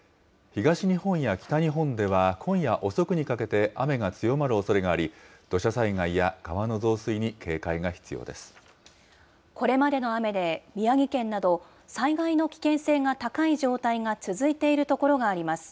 東日本や北日本では、今夜遅くにかけて雨が強まるおそれがあり、土砂災害や川の増水にこれまでの雨で、宮城県など、災害の危険性が高い状態が続いている所があります。